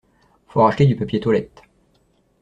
Faut racheter du papier toilette.